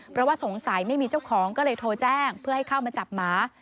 เพราะว่าสงสัยไม่มีเจ้าของก็เลยโทรแจ้งเพื่อให้เข้ามาจับหมา